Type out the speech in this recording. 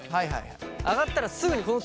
上がったらすぐにこのタオルを。